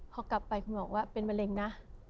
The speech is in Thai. พอกลับไปคุณหมอว่าเป็นมะเร็งนะ